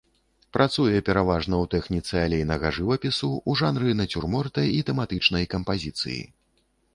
Працуе пераважна ў тэхніцы алейнага жывапісу, у жанры нацюрморта і тэматычнай кампазіцыі.